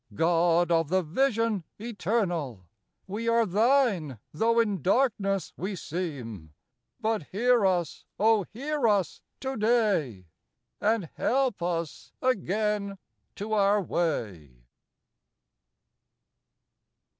God of the vision eternal, We are thine, though in darkness we seem, But hear us, O hear us today And help us again to our way.